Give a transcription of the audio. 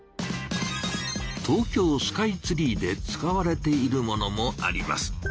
東京スカイツリーで使われているものもあります。